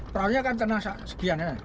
perahunya kan tenang sekian ya